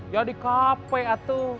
ya di kape atu